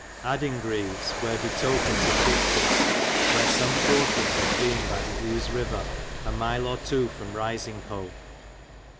t Adingreves wher be tokens of diches, wher sum fortres hath bene by Use Ryver, a mile or 2. from Risingho.